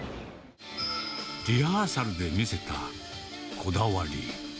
リハーサルで見せたこだわり。